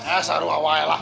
eh saru awal lah